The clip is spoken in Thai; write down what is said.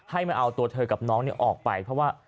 ให้มาเอาตัวเธอกับน้องออกไปเพราะว่า